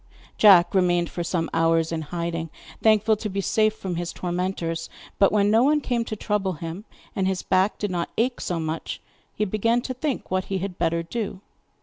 Jack remained for some hours in hiding, thankful to be safe from his tormentors; but when no one came to trouble him, and his back did not ache so much, he began to think what he had better do.